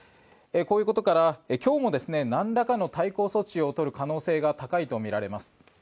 こういうことから今日もなんらかの対抗措置を取る可能性が高いとみられます。